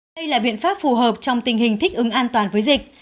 đây là biện pháp phù hợp trong tình hình thích ứng an toàn với dịch